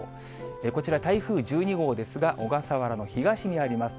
こちら台風１２号ですが、小笠原の東にあります。